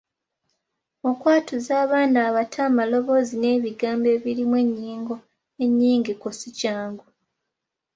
Okwatuza abaana abato amaloboozi n’ebigambo ebirimu ennyingo ennyingiko si kyangu.